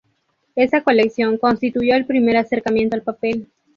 Esta colección constituyó el primer acercamiento al papel.